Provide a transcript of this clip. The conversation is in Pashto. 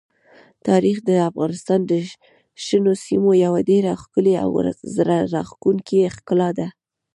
تاریخ د افغانستان د شنو سیمو یوه ډېره ښکلې او زړه راښکونکې ښکلا ده.